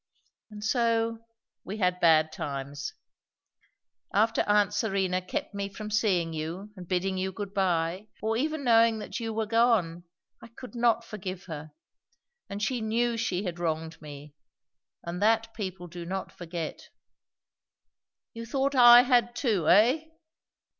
"And so, we had bad times. After aunt Serena kept me from seeing you and bidding you good bye, or even knowing that you were gone, I could not forgive her. And she knew she had wronged me. And that people do not forget." "You thought I had too, eh?"